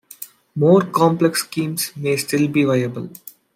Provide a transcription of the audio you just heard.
More complex schemes may still be viable.